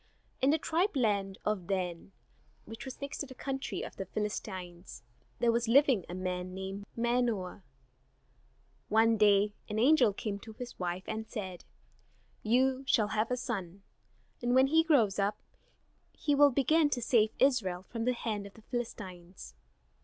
In the tribe land of Dan, which was next to the country of the Philistines, there was living a man named Manoah. One day an angel came to his wife and said: "You shall have a son, and when he grows up he will begin to save Israel from the hand of the Philistines.